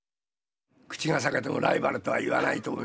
口が裂けてもライバルとは言わないと思います。